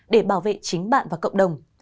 để bảo vệ chính bạn và cộng đồng